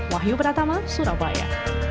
wahyu beratama surabaya